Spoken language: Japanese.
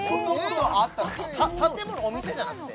お店じゃなくて？